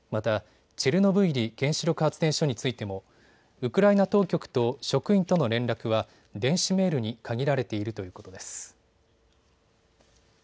また原子力発電所についても、ウクライナ当局と職員との連絡は電子メールに限られているということです。